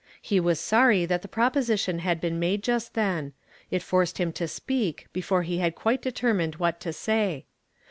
He was sorry that the proposition had been made just then; it forced him to speak, before he had quite determined what to say.